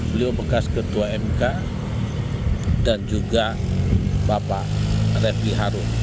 beliau bekas ketua mk dan juga bapak refli harum